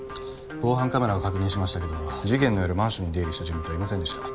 防犯カメラを確認しましたけど事件の夜マンションに出入りした人物はいませんでした。